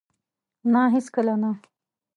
نه! هیڅکله نه